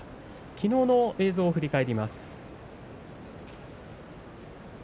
きのうの映像を振り返ります。